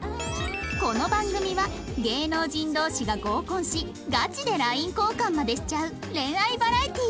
この番組は芸能人同士が合コンしガチで ＬＩＮＥ 交換までしちゃう恋愛バラエティ